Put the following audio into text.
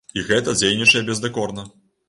І гэта дзейнічае бездакорна.